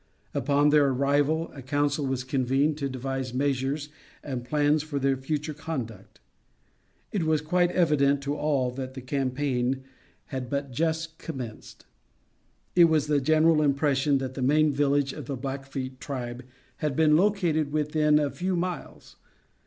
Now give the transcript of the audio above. Upon their arrival a council was convened to devise measures and plans for their future conduct. It was quite evident to all that the campaign had but just commenced. It was the general impression that the main village of the Blackfeet tribe had been located within a few miles.